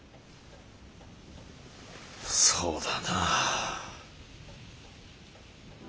そうだな。